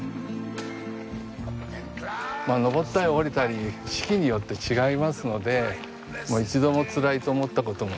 登ったり下りたり四季によって違いますので一度もつらいと思ったこともないですね。